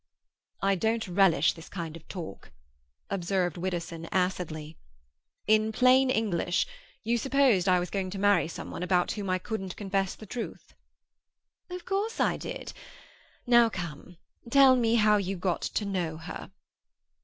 "I don't relish this kind of talk," observed Widdowson acidly. "In plain English, you supposed I was going to marry some one about whom I couldn't confess the truth." "Of course I did. Now come; tell me how you got to know her."